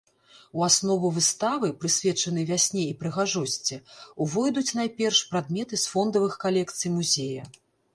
У аснову выставы, прысвечанай вясне і прыгажосці, увойдуць найперш прадметы з фондавых калекцый музея.